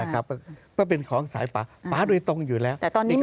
ก็เป็นของสายป่าโดยตรงอยู่แล้ว